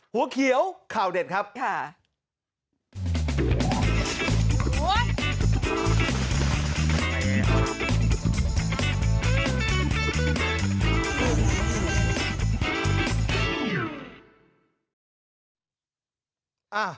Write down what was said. หัวเขียวข่าวเด็ดครับค่ะ